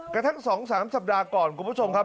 กระทั่ง๒๓สัปดาห์ก่อนคุณผู้ชมครับ